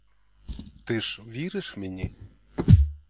Ти ж віриш мені?